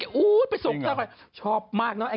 กระเถยเยอะไปอยู่หลุมกันหมดเลย